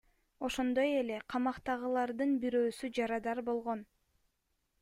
Ошондой эле камактагылардын бирөөсү жарадар болгон.